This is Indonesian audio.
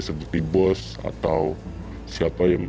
seperti bos atau siapa yang